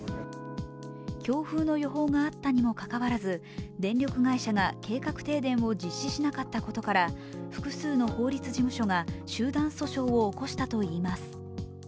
強風の予報があったにもかかわらず電力会社が計画停電を実施しなかったことから複数の法律事務所が集団訴訟を起こしたといいます。